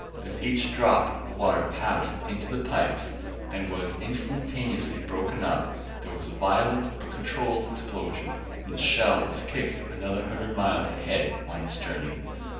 As each drop of water passed into the pipes, and was instantaneously broken up, there was a violent but controlled explosion and the shell was kicked another hundred miles ahead on its journey.